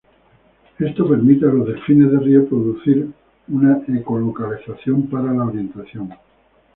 Esto permite a los delfines de río producir una eco-localización para la orientación.